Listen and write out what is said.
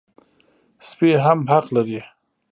سپي هم حق لري.